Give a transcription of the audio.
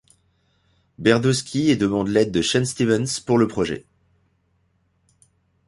Berdovsky et demande l'aide de Sean Stevens pour le projet.